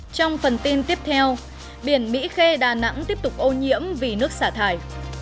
trong phần tin tiếp theo biển mỹ khê đà nẵng tiếp tục ô nhiễm vì nước xả thải